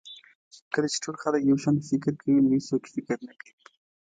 کله چې ټول خلک یو شان فکر کوي نو هېڅوک فکر نه کوي.